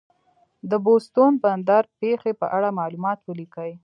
د بوستون بندر پېښې په اړه معلومات ولیکئ.